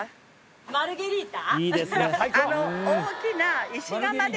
マルゲリータ？